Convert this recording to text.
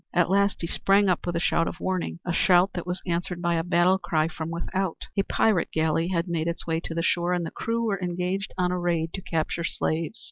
At last he sprang up with a shout of warning, a shout that was answered by a battle cry from without. A pirate galley had made its way to the shore and the crew were engaged on a raid to capture slaves.